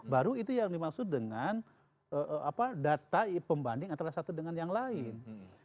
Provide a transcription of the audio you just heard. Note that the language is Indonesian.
baru itu yang dimaksud dengan data pembanding antara satu dengan yang lain